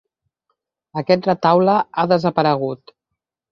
Aquest retaule ha desaparegut.